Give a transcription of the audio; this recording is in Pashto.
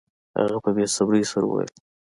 هغه په بې صبرۍ سره وویل